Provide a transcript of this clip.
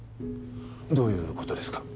どういうことですか？